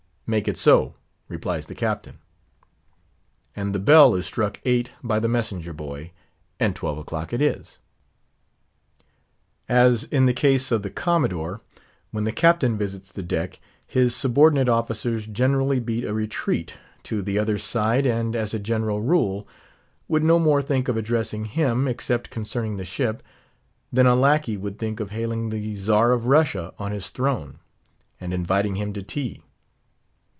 "Make it so," replies the captain. And the bell is struck eight by the messenger boy, and twelve o'clock it is. As in the case of the Commodore, when the captain visits the deck, his subordinate officers generally beat a retreat to the other side and, as a general rule, would no more think of addressing him, except concerning the ship, than a lackey would think of hailing the Czar of Russia on his throne, and inviting him to tea.